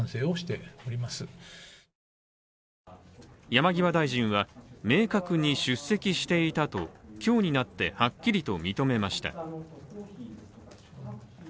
山際大臣は明確に出席していたと今日になって、はっきりと認めました。